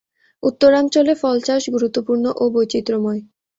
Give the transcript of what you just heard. উত্তরাঞ্চলে ফল চাষ গুরুত্বপূর্ণ ও বৈচিত্র্যময়।